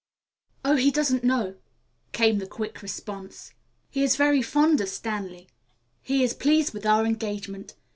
"Oh, he doesn't know," came the quick response. "He is very fond of Stanley. He is pleased with our engagement.